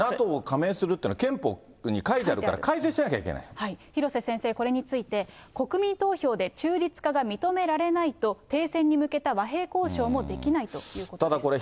ＮＡＴＯに加盟するというのは憲法に書いてあるから、改正し廣瀬先生、これについて、国民投票で中立化が認められないと、停戦に向けた和平交渉もできないということです。